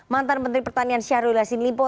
mantan menteri pertanian syahrul yassin limpo